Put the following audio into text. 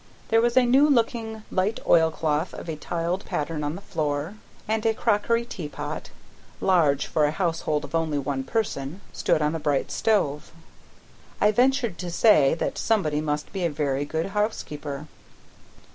There was a new looking light oilcloth of a tiled pattern on the floor, and a crockery teapot, large for a household of only one person, stood on the bright stove. I ventured to say that somebody must be a very good housekeeper.